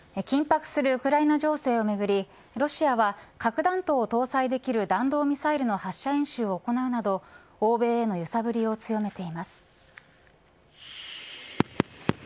緊迫するウクライナ情勢をめぐりロシアは核弾頭を搭載できる弾道ミサイルの発射演習を行うなど欧米への揺さぶりを強めています。